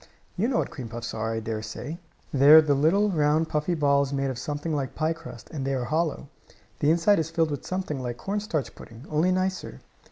You know what cream puffs are, I dare say. They are little, round, puffy balls made of something like piecrust, and they are hollow. The inside is filled with something like corn starch pudding, only nicer.